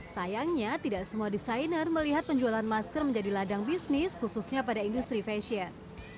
sayangnya tidak semua desainer melihat penjualan masker menjadi ladang bisnis khususnya pada industri fashion